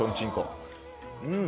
うん！